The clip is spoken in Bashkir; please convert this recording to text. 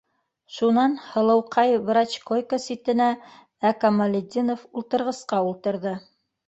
Шунан, һылыуҡай, - врач койка ситенә, ә Камалетдинов ултырғысҡа ултырҙы.